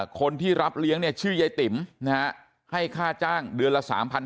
คนที่รับเลี้ยงเนี่ยชื่อยายติ๋มให้ค่าจ้างเดือนละ๓๕๐๐